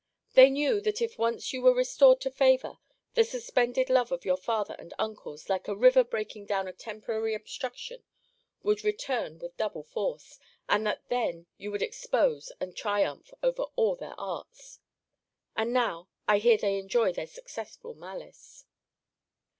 They knew, that if once you were restored to favour, the suspended love of your father and uncles, like a river breaking down a temporary obstruction, would return with double force; and that then you would expose, and triumph over all their arts. And now, I hear they enjoy their successful malice.